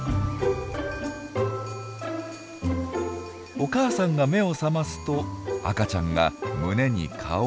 お母さんが目を覚ますと赤ちゃんが胸に顔をうずめました。